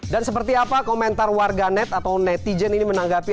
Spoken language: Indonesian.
dan seperti apa komentar warga net atau netizen ini menanggapi